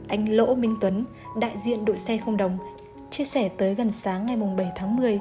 anh lỗ minh tuấn đại diện đội xe không đồng chia sẻ tới gần sáng ngày bảy tháng một mươi